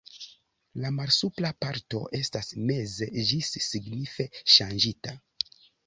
La malsupra parto estas meze ĝis signife ŝanĝita.